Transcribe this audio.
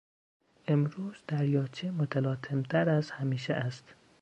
امروز دریاچه متلاطمتر از همیشه است.